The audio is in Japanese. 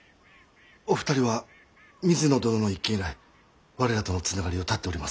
お二人は水野殿の一件以来我らとのつながりを断っております。